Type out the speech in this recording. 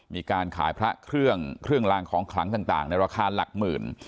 มีการขายพระเครื่องเครื่องลางของขลังต่างในราคาหลักหมื่น